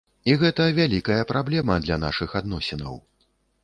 І гэта вялікая праблема для нашых адносінаў.